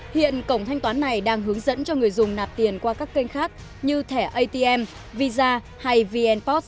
hiện cổng thanh toán này đang hướng dẫn cho người dùng nạp tiền qua các kênh khác như thẻ atm visa hay vnpost